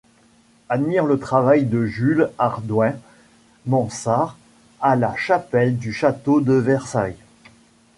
Admire le travail de Jules Hardouin-Mansart à la chapelle du château de Versailles.